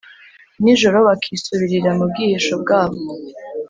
nijoro bakisubirira mu bwihisho bwabo